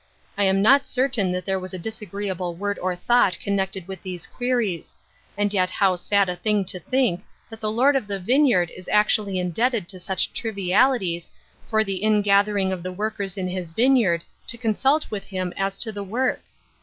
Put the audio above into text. I am not certain that there was a disagreeable word or thought connected with these queries, and yet how sad a thing to think that the Lord of the vineyard is actually indebted to such trivialities for the ingathering of the workers in his vineyard to consult with him as to the work